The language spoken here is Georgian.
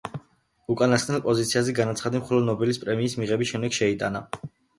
უკანასკნელ პოზიციაზე განაცხადი მხოლო ნობელის პრემიის მიღების შემდეგ შეიტანა.